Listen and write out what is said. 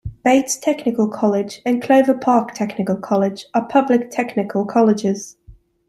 Bates Technical College and Clover Park Technical College are public technical colleges.